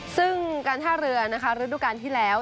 ซึ่งการท่าเรือนะคะฤดูการที่แล้ว